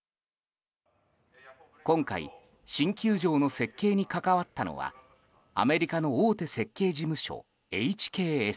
今回、新球場の設計に関わったのはアメリカの大手設計事務所ＨＫＳ。